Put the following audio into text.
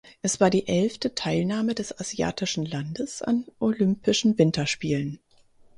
Es war die elfte Teilnahme des asiatischen Landes an Olympischen Winterspielen.